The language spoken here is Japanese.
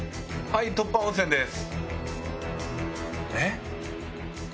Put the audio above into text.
はい突破温泉です。